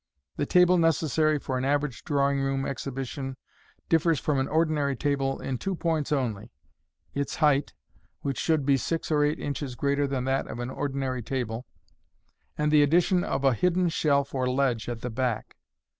The table necessary for an average drawing room exhibition differs from an ordinary tabla in two points only—its height, which should be six or eight inches greater than that of an ordinary table— and the addition of a hidden •helf or ledge at the back.